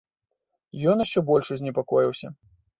Ён яшчэ больш узнепакоіўся.